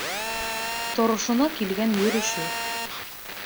Торошона килгән йөрөшө